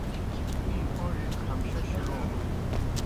می اون٘ڙِیْ ہمشہ شِلونَن۔